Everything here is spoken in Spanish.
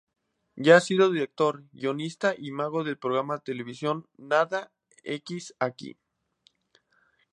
Y ha sido director, guionista y mago del programa televisivo "Nada x aquí".